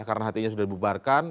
karena hti sudah dibubarkan